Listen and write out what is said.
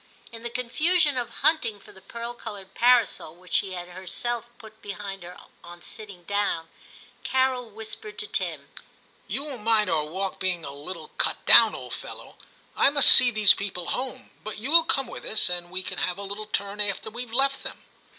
In the confusion of hunting for the pearl coloured parasol, which she had herself put behind her on sitting down, Carol whispered to Tim, * You won't mind our walk being a little cut down, old fellow. I must see these people home, but you will come with us, and we can have a little turn after weVe left them.'